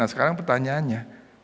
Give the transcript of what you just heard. nah sekarang pertanyaannya